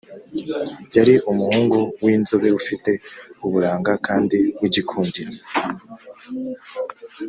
Yari umuhungu w’inzobe ufite uburanga kandi w’igikundiro.